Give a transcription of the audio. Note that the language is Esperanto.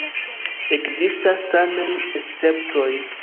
Ekzistas tamen esceptoj.